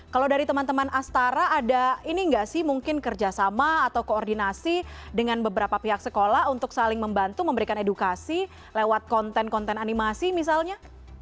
kalau dari teman teman astara ada ini nggak sih mungkin kerjasama atau koordinasi dengan beberapa pihak sekolah untuk saling membantu memberikan edukasi lewat konten konten animasi misalnya